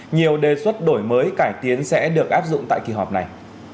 nhiều đề xuất đổi mới cải tiến sẽ được áp dụng tại kỳ họp này